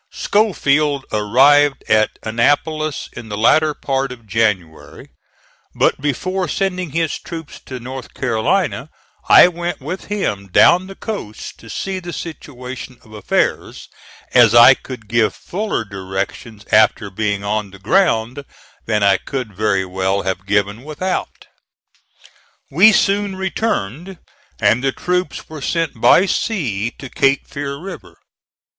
Schofield arrived at Annapolis in the latter part of January, but before sending his troops to North Carolina I went with him down the coast to see the situation of affairs, as I could give fuller directions after being on the ground than I could very well have given without. We soon returned, and the troops were sent by sea to Cape Fear River.